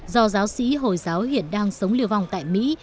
do giáo sĩ hồi giáo hiện đang sống liều vòng tại mỹ